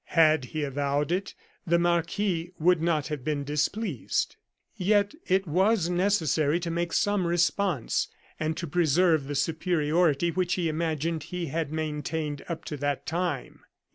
Had he avowed it, the marquis would not have been displeased. Yet it was necessary to make some response, and to preserve the superiority which he imagined he had maintained up to that time.